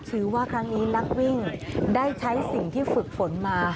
ถือว่าครั้งนี้นักวิ่งได้ใช้สิ่งที่ฝึกฝนมา